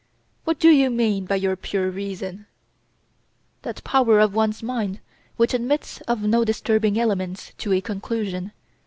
"What do you mean by your pure reason?" "That power of one's mind which admits of no disturbing elements to a conclusion.